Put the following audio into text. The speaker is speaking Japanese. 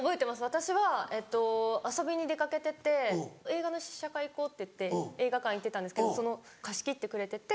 私はえっと遊びに出かけてて映画の試写会行こうって言って映画館行ってたんですけどその貸し切ってくれてて。